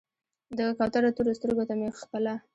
د کوترو تورو سترګو ته مې خپله